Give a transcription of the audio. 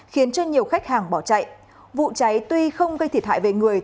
khiến cho nhiều khách hàng bỏ chạy vụ cháy tuy không gây thiệt hại về người